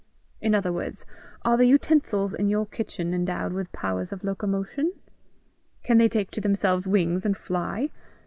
In other words, are the utensils in your kitchen endowed with powers of locomotion? Can they take to themselves wings and fly?